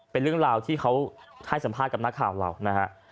เป็นเรื่องราวที่เขาให้สัมภาษณ์กับนักข่าวเรานะฮะ